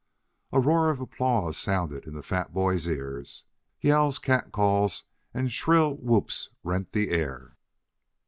A roar of applause sounded in the fat boy's ears. Yells, cat calls and shrill whoops rent the air.